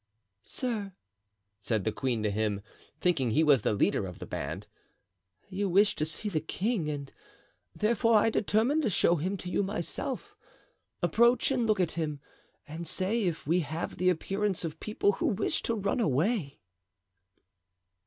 "Sir," said the queen to him, thinking he was the leader of the band, "you wished to see the king and therefore I determined to show him to you myself. Approach and look at him and say if we have the appearance of people who wish to run away."